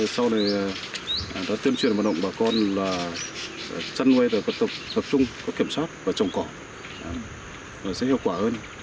sau này là tiêm truyền vận động bà con là chăn nuôi tập trung có kiểm soát và trồng cỏ sẽ hiệu quả hơn